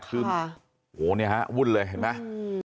โหนี่ฮะวุ่นเลยเห็นไหม